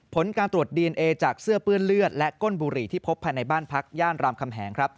ผลการตรวจดีเอนเอจากเสื้อเปื้อนเลือดและก้นบุหรี่ที่พบภายในบ้านพักย่านรามคำแหงครับ